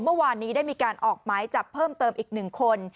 เมื่อวานนี้ได้มีการออกหมายจับเพิ่มเติมอีก๑คน